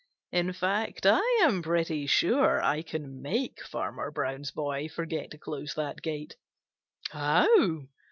In fact, I am pretty sure I can make Farmer Brown's boy forget to close that gate." "How?"